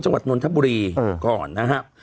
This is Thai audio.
จังหวัดนอนทบุรีก่อนนะครับ